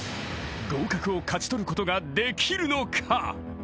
［合格を勝ち取ることができるのか？］